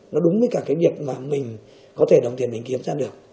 nó đúng với cả cái việc mà mình có thể đồng tiền mình kiếm ra được